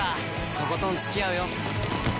とことんつきあうよ！